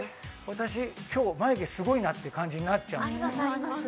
私、今日眉毛すごいなってなっちゃうんです。